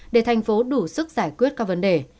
để thành phố đủ sức giải quyết các vấn đề